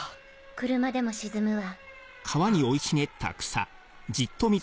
車でも沈むわ。